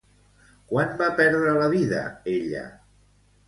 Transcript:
Quan va perdre la vida ella?